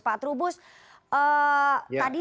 pak trubus tadi